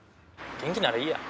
元気ならいいや。